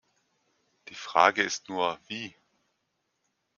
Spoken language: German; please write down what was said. Die Frage ist nur, wie?